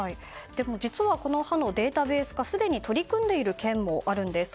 実は、歯のデータベース化すでに取り組んでいる県もあります。